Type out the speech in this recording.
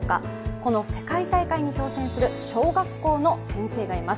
この世界大会に挑戦する小学校の先生がいます。